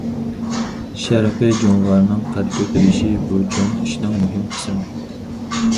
شەرقىي جۇڭغارنىڭ قەد كۆتۈرۈشى بۇ چوڭ ئىشنىڭ مۇھىم قىسمى.